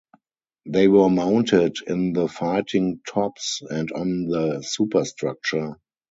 They were mounted in the fighting tops and on the superstructure.